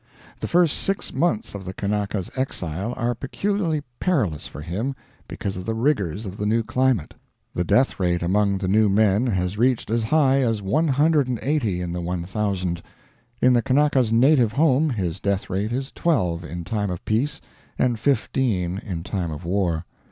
The first six months of the Kanaka's exile are peculiarly perilous for him because of the rigors of the new climate. The death rate among the new men has reached as high as 180 in the 1,000. In the Kanaka's native home his death rate is 12 in time of peace, and 15 in time of war.